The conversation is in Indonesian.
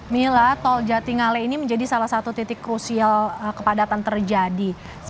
mila tol jati ngale ini menjadi salah satu titik krusial kepadatan terjadi